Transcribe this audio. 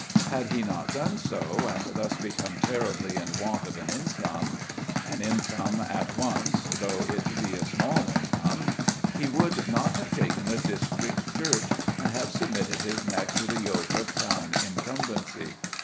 Had he not done so, and thus become terribly in want of an income, an income at once, though it be a small income, he would not have taken a district church, and have submitted his neck to the yoke of town incumbency.